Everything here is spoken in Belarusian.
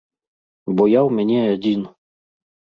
Бо я ў мяне адзін.